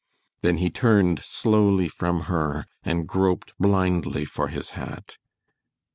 Then he turned slowly from her and groped blindly for his hat.